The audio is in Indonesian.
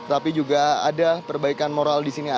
tapi juga ada perbaikan moral di sini